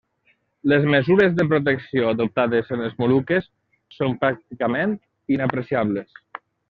Les mesures de protecció adoptades en les Moluques són pràcticament inapreciables.